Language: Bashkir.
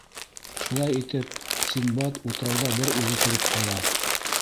Шулай итеп, Синдбад утрауҙа бер үҙе тороп ҡала.